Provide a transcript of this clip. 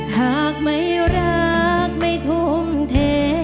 หากไม่รักไม่ทุ่มเท